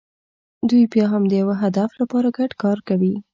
دوی بیا هم د یوه هدف لپاره ګډ کار کوي.